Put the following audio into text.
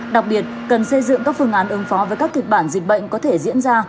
đặc biệt cần xây dựng các phương án ứng phó với các kịch bản dịch bệnh có thể diễn ra